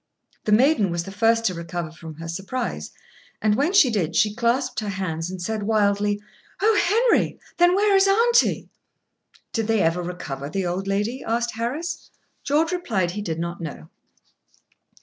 The maiden was the first to recover from her surprise, and, when she did, she clasped her hands, and said, wildly: "Oh, Henry, then where is auntie?" "Did they ever recover the old lady?" asked Harris. George replied he did not know.